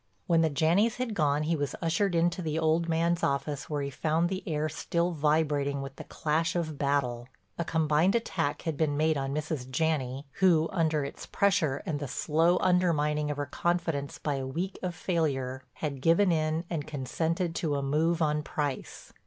When the Janneys had gone he was ushered into the old man's office where he found the air still vibrating with the clash of battle. A combined attack had been made on Mrs. Janney who, under its pressure and the slow undermining of her confidence by a week of failure, had given in and consented to a move on Price.